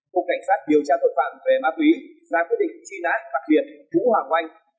cục cảnh sát điều tra tội phạm về ma túy ra quyết định truy nã đặc biệt vũ hoàng oanh